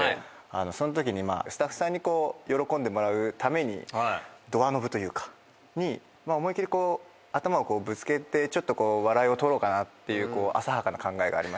そのときにスタッフさんに喜んでもらうためにドアノブというかに思い切りこう頭をぶつけてちょっと笑いを取ろうかなという浅はかな考えがありまして。